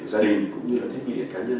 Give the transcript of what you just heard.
gia đình cũng như là thiết bị cá nhân